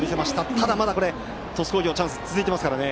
ただ、鳥栖工業のチャンスは続いていますね。